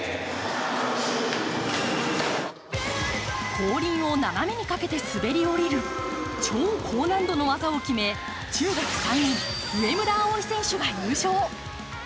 後輪を斜めにかけて滑り降りる、超高難度の技を決め中学３年、上村葵選手が優勝。